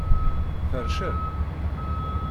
Tercel?